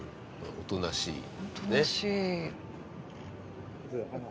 おとなしいねっ。